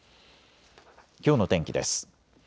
きょうの天気です。